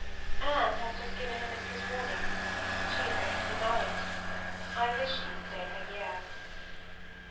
Anne has just given her mistress warning; she is going to be married; I wish she would stay her year.